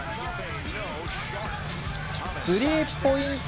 スリーポイント